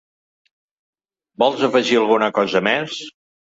Vols afegir alguna cosa més?